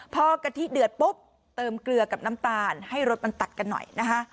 พอกะทิเดือดปุ๊บเติมเกลือกับน้ำตาลให้รสมันตัดกันหน่อยนะคะ